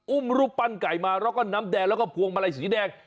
อุ้มรูปปั้นไก่มาแล้วก็น้ำแดงแล้วก็พวงมาลัยสีแดง